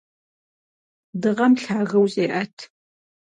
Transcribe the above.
Дыгъэм лъагэу зеӀэт.